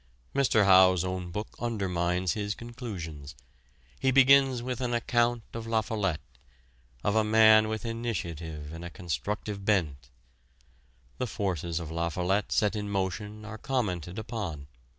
Mr. Howe's own book undermines his conclusions. He begins with an account of La Follette of a man with initiative and a constructive bent. The forces La Follette set in motion are commented upon.